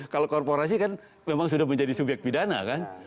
kalau korporasi kan memang sudah menjadi subyek pidana kan